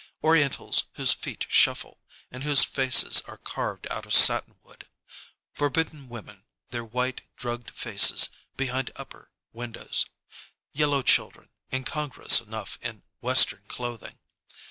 Orientals whose feet shuffle and whose faces are carved out of satinwood. Forbidden women, their white, drugged faces behind upper windows. Yellow children, incongruous enough in Western clothing.